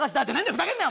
ふざけんなよ！